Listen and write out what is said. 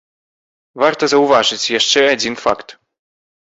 Варта заўважыць яшчэ адзін факт.